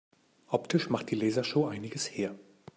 Optisch macht die Lasershow einiges her.